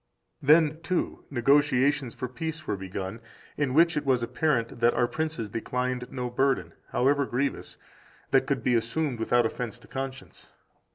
3 Then, too, negotiations for peace were begun, in which it was apparent that our princes declined no burden, however grievous, that could be assumed without offense to conscience.